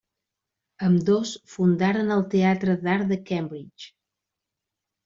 Ambdós fundaren el Teatre d'Art de Cambridge.